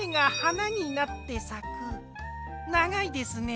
ながいですね。